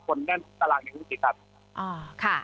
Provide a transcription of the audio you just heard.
คนแน่นตราลังในวิธีการ